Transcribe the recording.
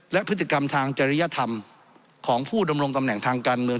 และพฤติกรรมทางจริยธรรมของผู้ดำรงตำแหน่งทางการเมือง